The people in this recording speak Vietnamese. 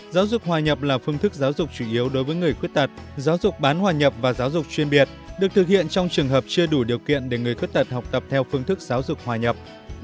giáo dục hòa nhập là phương thức giáo dục chủ yếu đối với người khuyết tật giáo dục bán hòa nhập và giáo dục chuyên biệt được thực hiện trong trường hợp chưa đủ điều kiện để người khuyết tật học tập theo phương thức giáo dục hòa nhập